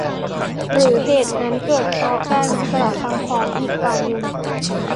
หรือเหตุนั้นเกิดเพราะการกระทำของอีกฝ่ายหนึ่ง